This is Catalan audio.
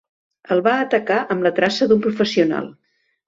El va atacar amb la traça d'un professional.